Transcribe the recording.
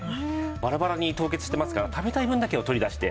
バラバラに凍結してますから食べたい分だけを取り出して。